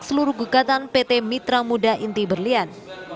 seluruh gugatan pt mitra muda inti berlian